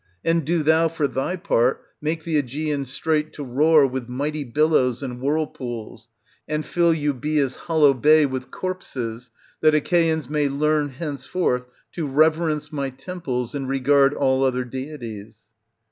And do thou, for thy part, make the ^gean strait to roar with mighty billows and whirlpools, and fill Euboea's hollow bay with corpses, that Achaeans may learn henceforth to reverence my temples and regard all other deities.